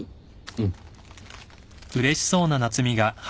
うん。